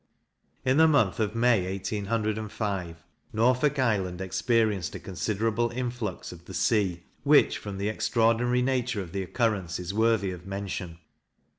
In the month of May, 1805, Norfolk Island experienced a considerable influx of the sea, which, from the extraordinary nature of the occurrence, is worthy of mention.